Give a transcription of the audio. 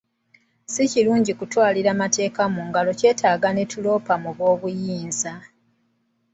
Si kirungi kutwalira mateeka mu ngalo kyetaaga ne tuloopa mu b'obuyinza.